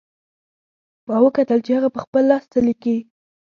ما وکتل چې هغه په خپل لاس څه لیکي